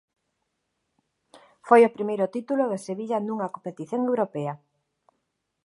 Foi o primeiro título do Sevilla nunha competición europea.